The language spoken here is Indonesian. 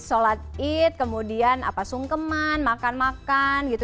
salat id kemudian apa sungkeman makan makan gitu